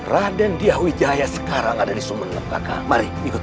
raden diyah wijaya sekarang ada di sumenem kakak